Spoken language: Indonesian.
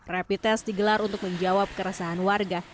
rapid test digelar untuk menjawab keresahan warga